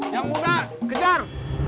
yang muda kejar